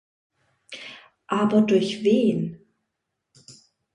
Aber durch wen?